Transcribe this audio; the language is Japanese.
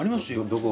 どこ？